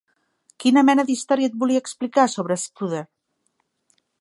Quina mena d'història et volia explicar sobre Scudder?